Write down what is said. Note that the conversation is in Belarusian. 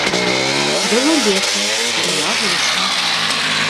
Было лета, была восень.